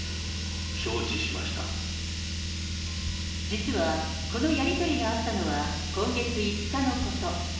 実は、このやり取りがあったのは今月５日のこと。